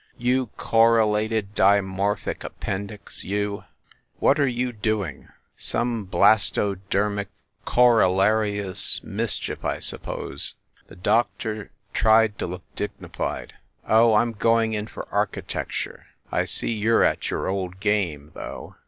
"You correlated dimorphic appendix, you, what 12 FIND THE WOMAN are you doing? Some blastodermic correlations mis chief, I suppose?" The doctor tried to look dignified. "Oh, I m going in for architecture. I see you re at your old game, though!"